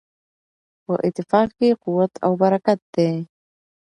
په اتفاق کې قوت او برکت دی.